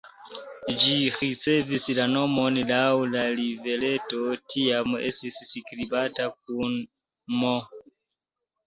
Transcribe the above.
Ĝi ricevis la nomon laŭ la rivereto, tiam estis skribata kun "m".